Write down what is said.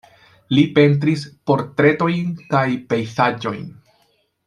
Li pentris portretojn kaj pejzaĝojn.